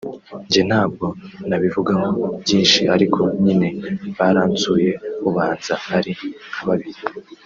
Njye ntabwo nabivugaho byinshi ariko nyine baransuye ubanza ari nka kabiri